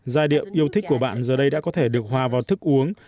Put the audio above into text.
giai điệu yêu thích của bạn giờ đây đã có thể được hòa vào thức uống